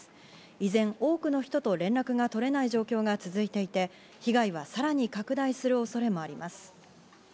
依然、多くの人と連絡が取れない状況が続いていて被害はさらに拡大する恐れもあります。